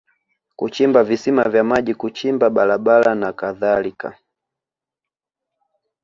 kuchimba visima vya maji kuchimba barabara na kadhalika